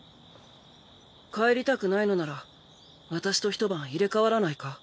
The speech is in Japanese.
帰りたくないのなら私とひと晩入れ代わらないか？